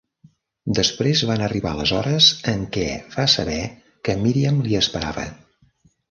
Després van arribar les hores en què va saber que Miriam li esperava.